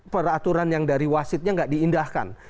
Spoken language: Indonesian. peraturan yang dari wasitnya nggak diindahkan